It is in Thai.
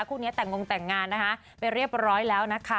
คู่นี้แต่งงแต่งงานนะคะไปเรียบร้อยแล้วนะคะ